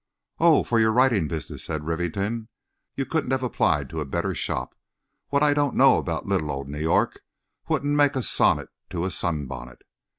"Oh, for your writing business," said Rivington; "you couldn't have applied to a better shop. What I don't know about little old New York wouldn't make a sonnet to a sunbonnet.